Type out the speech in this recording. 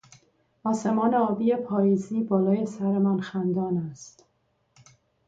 آسمان آبی پاییزی بالای سرمان خندان است.